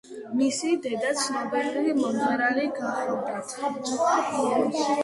მისი დედა ცნობილი მომღერალი გახლდათ.